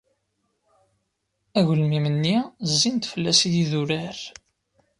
Agelmim-nni zzin-d fell-as yidurar.